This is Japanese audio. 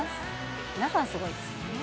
皆さん、すごいですね。